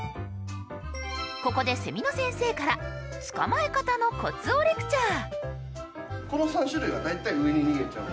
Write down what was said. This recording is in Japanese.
ここでセミの先生から捕まえ方のコツをレクチャー。